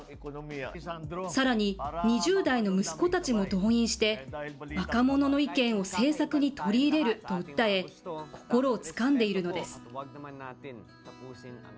さらに、２０代の息子たちも動員して、若者の意見を政策に取り入れると訴え、心をつかんでいるのです。